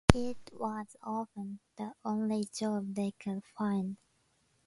It was often the only job they could find.